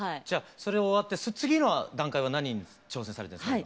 それ終わって次の段階は何に挑戦されたんですか？